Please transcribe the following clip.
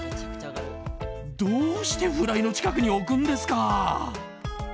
どうしてフライの近くに置くんですか？